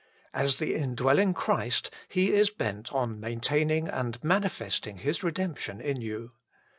As the indwelling Christ, He is bent on maintaining and manifesting His redemption in you.